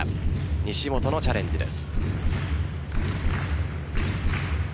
西本のチャレンジです。